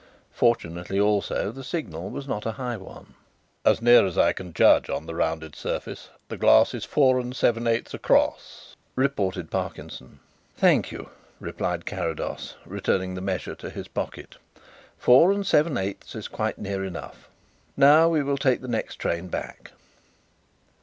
Fortunately, also, the signal was not a high one. "As near as I can judge on the rounded surface, the glass is four and seven eighths across," reported Parkinson. "Thank you," replied Carrados, returning the measure to his pocket, "four and seven eighths is quite near enough. Now we will take the next train back."